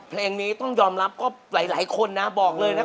เพลงนี้ต้องยอมรับก็หลายคนนะบอกเลยนะครับ